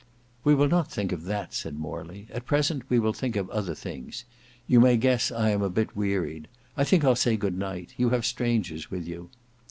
"We will not think that," said Morley. "At present we will think of other things. You may guess I am a bit wearied; I think I'll say good night; you have strangers with you."